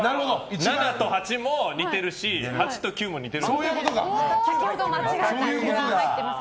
７と８も似てるし８と９も似てる。